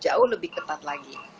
jauh lebih ketat lagi